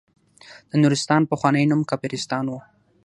د نورستان پخوانی نوم کافرستان و.